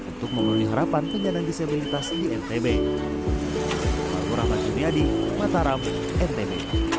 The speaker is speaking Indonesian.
untuk memenuhi harapan penyandang disabilitas di ntb